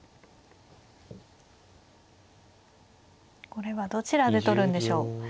これはどちらで取るんでしょう。